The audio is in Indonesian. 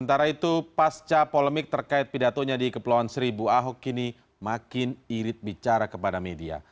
sementara itu pasca polemik terkait pidatonya di kepulauan seribu ahok kini makin irit bicara kepada media